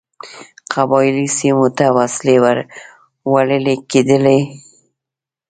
قبایلي سیمو ته وسلې وړلې کېدلې.